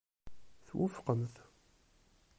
Twufqemt.